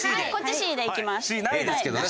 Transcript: Ｃないですけどね